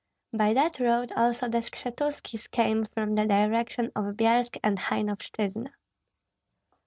By that road also the Skshetuskis came from the direction of Byelsk and Hainovshyna.